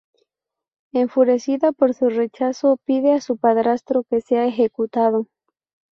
Enfurecida por su rechazo, pide a su padrastro que sea ejecutado.